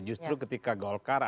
justru ketika golkar ada dua